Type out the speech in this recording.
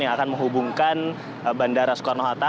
yang akan menghubungkan bandara soekarno hatta